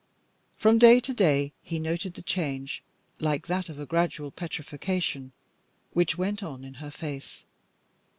From day to day he noted the change, like that of a gradual petrifaction, which went on in her face.